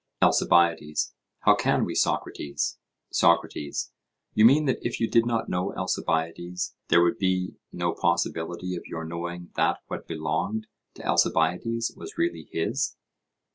ALCIBIADES: How can we, Socrates? SOCRATES: You mean, that if you did not know Alcibiades, there would be no possibility of your knowing that what belonged to Alcibiades was really his?